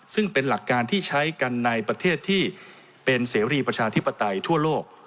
ซึ่งเป็นหลักการที่ใช้กันในประเทศที่เป็นเสรีประชาธิปไตยทั่วโลก